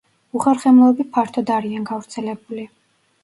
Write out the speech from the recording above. უხერხემლოები ფართოდ არიან გავრცელებული.